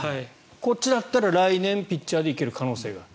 こっちだったら来年、ピッチャーで行ける可能性がある。